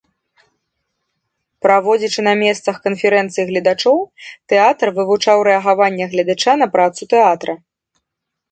Праводзячы на месцах канферэнцыі гледачоў, тэатр вывучаў рэагаванне гледача на працу тэатра.